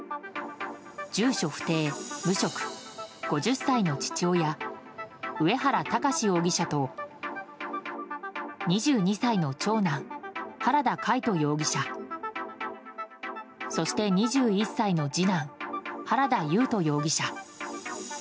住所不定・無職５０歳の父親、上原巌容疑者と２２歳の長男、原田魁斗容疑者そして２１歳の次男原田優斗容疑者。